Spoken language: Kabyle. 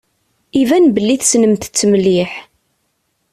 Iban belli tessnemt-t mliḥ.